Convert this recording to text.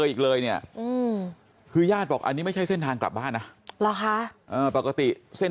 อีกเลยเนี่ยคือญาติบอกอันนี้ไม่ใช่เส้นทางกลับบ้านนะหรอคะปกติเส้น